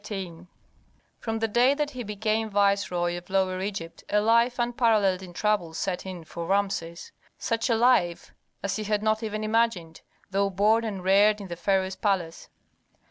CHAPTER XVIII From the day that he became viceroy of Lower Egypt a life unparalleled in troubles set in for Rameses, such a life as he had not even imagined, though born and reared in the pharaoh's palace.